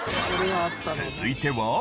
続いては。